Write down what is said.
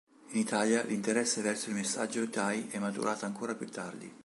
In Italia, l'interesse verso il massaggio thai è maturato ancora più tardi.